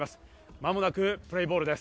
間もなくプレーボールです。